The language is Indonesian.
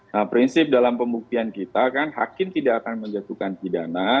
nah prinsip dalam pembuktian kita kan hakim tidak akan menjatuhkan pidana